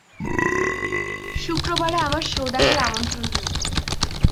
শুক্রবারে আমার শো দেখার আমন্ত্রণ রইল।